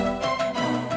nih aku tidur